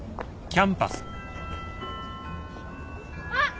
あっ！